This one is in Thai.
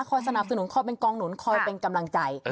สนับสนุนคอยเป็นกองหนุนคอยเป็นกำลังใจ